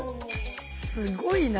すごいな。